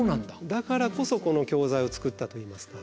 だからこそこの教材を作ったといいますか。